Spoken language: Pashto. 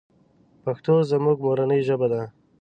پښتو زمونږ مورنۍ ژبه ده.